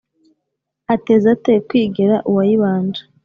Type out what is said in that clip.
Ateze ate kwigera uwayibanje